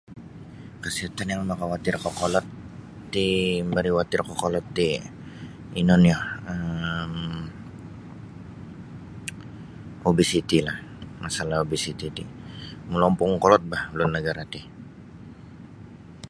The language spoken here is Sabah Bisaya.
Kesihatan yang makawatir kokolod ti mambari watir kokolod ti ino nio um obesiti lah masalah obesiti ti molompung kolod ba ulun nagara ti.